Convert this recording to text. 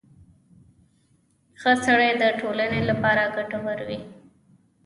• ښه سړی د ټولنې لپاره ګټور وي.